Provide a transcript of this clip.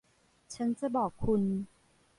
ฉันจะบอกคุณ